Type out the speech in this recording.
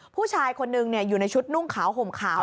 ผู้ชายคนหนึ่งอยู่ในชุดนุ่งขาวห่มขาว